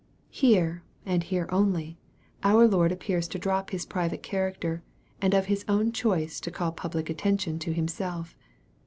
Here, and here only, our Lord appears to drop His private character, and of His own choice to call public attention to Himself.